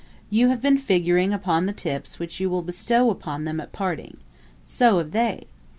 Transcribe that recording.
You have been figuring upon the tips which you will bestow upon them at parting; so have they.